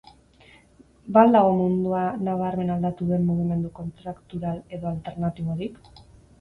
Ba al dago mundua nabarmen aldatu duen mugimendu kontrakultural edo alternatiborik?